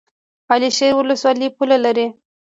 علي شیر ولسوالۍ پوله لري؟